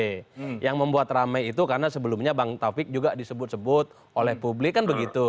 jadi ini memang teramai itu karena sebelumnya bang taufik juga disebut sebut oleh publik kan begitu